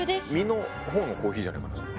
実の方のコーヒーじゃないかな？